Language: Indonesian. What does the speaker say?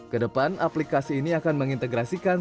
kedepan aplikasi ini akan mengintegrasikan